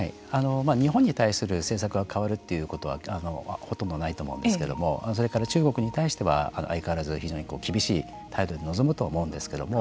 日本に対する政策が変わるということはほとんどないと思うんですけれどもそれから中国に対しては相変わらず非常に厳しい態度で臨むと思うんですけれども。